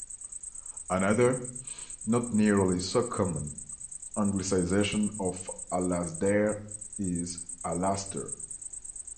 Another, not nearly so common, Anglicisation of "Alasdair" is "Allaster".